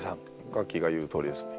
ガッキーが言うとおりですね。